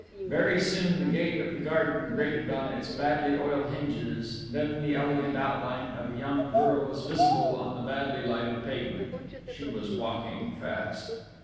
Very soon the gate of the garden grated on its badly oiled hinges, and then the elegant outline of a young girl was visible on the badly lighted pavement. She was walking fast....